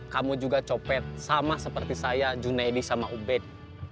kamu juga copet sama seperti saya junaidi sama ubed